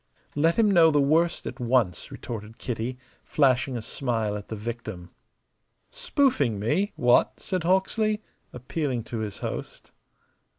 "Let him know the worst at once," retorted Kitty, flashing a smile at the victim. "Spoofing me what?" said Hawksley, appealing to his host.